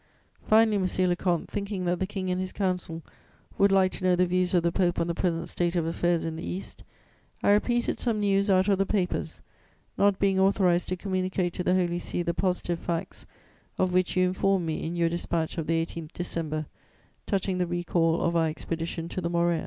Finally, monsieur le comte, thinking that the King and his Council would like to know the views of the Pope on the present state of affairs in the East, I repeated some news out of the papers, not being authorized to communicate to the Holy See the positive facts of which you informed me in your dispatch of the 18th December touching the recall of our expedition to the Morea.